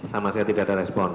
sama sekali tidak ada respon